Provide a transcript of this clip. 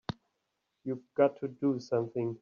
You've got to do something!